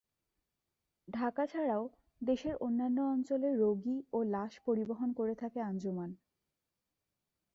ঢাকা ছাড়াও দেশের অন্যান্য অঞ্চলে রোগী ও লাশ পরিবহন করে থাকে আঞ্জুমান।